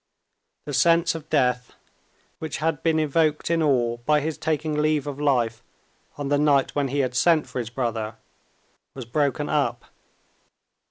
The sense of death, which had been evoked in all by his taking leave of life on the night when he had sent for his brother, was broken up.